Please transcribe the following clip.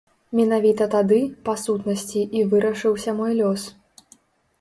Менавіта тады, па сутнасці, і вырашыўся мой лёс.